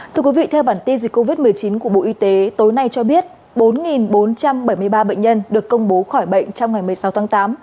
thưa quý vị theo bản tin dịch covid một mươi chín của bộ y tế tối nay cho biết bốn bốn trăm bảy mươi ba bệnh nhân được công bố khỏi bệnh trong ngày một mươi sáu tháng tám